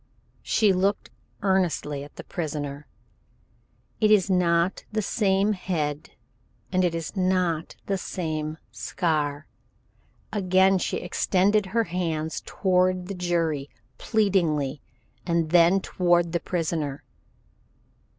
She looked earnestly at the prisoner. "It is not the same head and it is not the same scar." Again she extended her hands toward the jury pleadingly and then toward the prisoner.